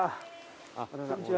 こんにちは。